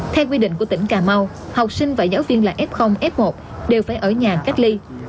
theo quy định của tỉnh cà mau học sinh và giáo viên là f f một đều phải ở nhà cách ly